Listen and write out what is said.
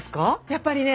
やっぱりね